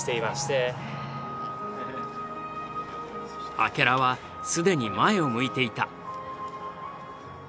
明楽は既に前を向いていた。